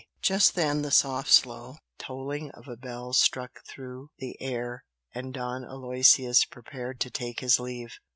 Just then the soft slow tolling of a bell struck through the air and Don Aloysius prepared to take his leave.